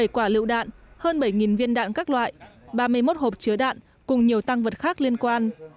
một mươi quả lựu đạn hơn bảy viên đạn các loại ba mươi một hộp chứa đạn cùng nhiều tăng vật khác liên quan